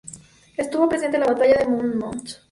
Estuvo presente en la batalla de Monmouth.